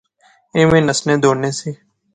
ایویں نسنے دوڑنے سے